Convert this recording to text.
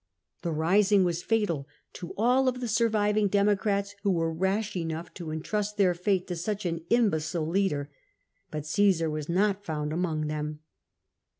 The risiing was fatal to all of the surviving Democrats who were rash enough to entrust their fate to such an imbecile leader ; but Csesar was not found among them.